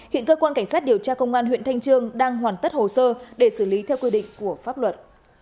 hiện cơ quan cảnh sát điều tra công an huyện thanh trương đang hoàn tất hồ sơ để xử lý theo quy định của pháp luật